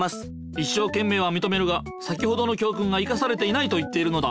いっしょうけんめいはみとめるが先ほどの教訓が生かされていないと言っているのだ。